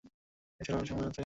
ভেবেছিলাম আরো সময় আছে।